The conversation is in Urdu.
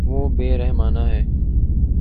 وہ بے رحمانہ ہے